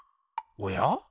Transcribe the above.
おや？